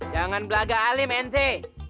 jangan belaga alim ente